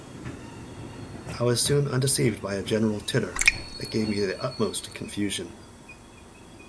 I was soon undeceived by a general titter, that gave me the utmost confusion.